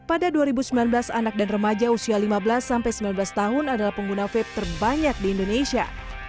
pada dua ribu sembilan belas anak dan remaja usia lima belas sampai sembilan belas tahun adalah pengguna vape terbanyak di indonesia